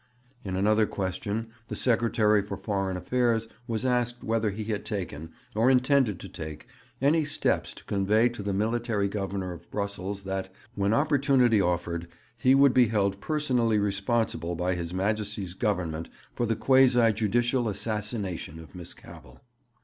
In another question the Secretary for Foreign Affairs was asked whether he had taken, or intended to take, any steps to convey to the Military Governor of Brussels that, when opportunity offered, he would be held personally responsible by His Majesty's Government for the quasi judicial assassination of Miss Cavell.